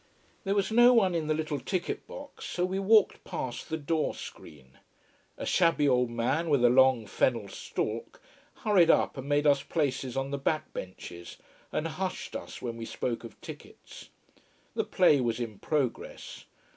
There was no one in the little ticket box, so we walked past the door screen. A shabby old man with a long fennel stalk hurried up and made us places on the back benches, and hushed us when we spoke of tickets. The play was in progress.